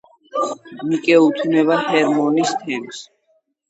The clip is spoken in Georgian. მიკეუთვნება ჰერმონის თემს.